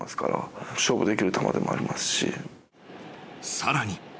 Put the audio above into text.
更に。